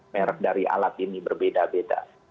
merek dari alat ini berbeda beda